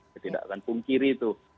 saya tidak akan pungkiri itu